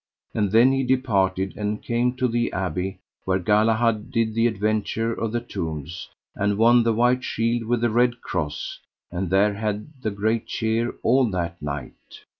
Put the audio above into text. And then he departed and came to the abbey where Galahad did the adventure of the tombs, and won the white shield with the red cross; and there had he great cheer all that night.